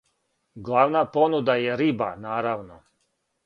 Главна понуда је риба, наравно.